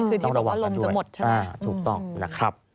คือที่บอกว่าลมจะหมดใช่ไหมถูกต้องนะครับ